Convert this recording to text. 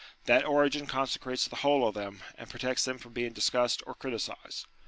That origin consecrates the whole of them, and protects them from being dis cussed or criticized.